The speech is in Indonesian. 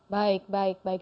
baik baik baik